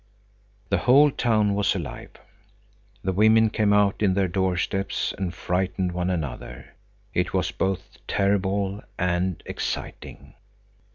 The whole town was alive. The women came out on their doorsteps and frightened one another. It was both terrible and exciting.